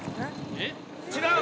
違う！